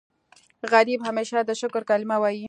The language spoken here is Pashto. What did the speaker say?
غریب همیشه د شکر کلمه وايي